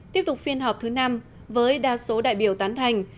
tiếp tục phiên họp thứ năm với đa số đại biểu tán thành